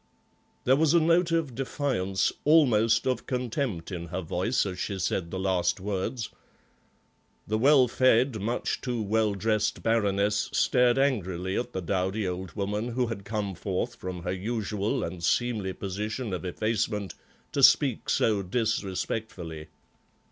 There was a note of defiance, almost of contempt, in her voice as she said the last words. The well fed, much too well dressed Baroness stared angrily at the dowdy old woman who had come forth from her usual and seemly position of effacement to speak so disrespectfully.